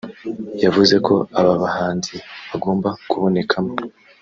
yavuze ko aba bahanzi bagomba kubonekamo